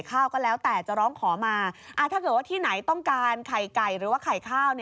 ถ้าเกิดว่าที่ไหนต้องการไข่ไก่หรือว่าไข่ข้าว